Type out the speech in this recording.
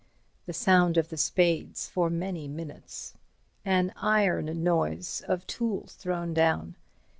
The sound of the spades for many minutes. An iron noise of tools thrown down.